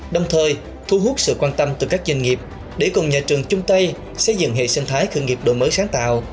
đồng thời thu hút sự quan tâm từ các doanh nghiệp để cùng nhà trường chung tay xây dựng hệ sinh thái khởi nghiệp đổi mới sáng tạo